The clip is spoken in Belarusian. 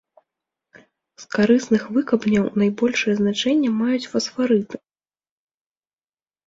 З карысных выкапняў найбольшае значэнне маюць фасфарыты.